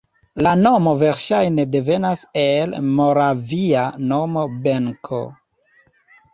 La nomo verŝajne devenas el moravia nomo Benko.